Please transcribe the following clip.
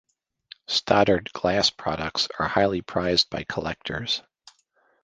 Stoddard glass products are highly prized by collectors.